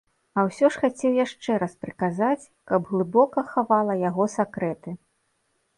А ўсё ж хацеў яшчэ раз прыказаць, каб глыбока хавала яго сакрэты.